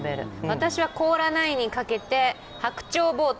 私は凍らないにかけて白鳥ボート。